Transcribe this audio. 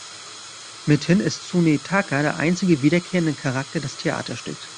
Mithin ist Tsunetaka der einzige wiederkehrende Charakter des Theaterstücks.